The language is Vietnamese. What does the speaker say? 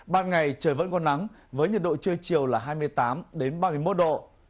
ban ngày trời vẫn có nắng với nhiệt độ trưa chiều là hai mươi tám ba mươi một độ